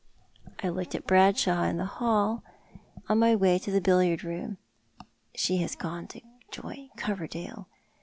I looked at Bradshaw in the hall on my way to the billiard room. She has gone to join Coverdale.